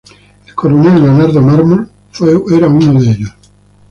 El Coronel Leonardo Mármol fue uno de ellos.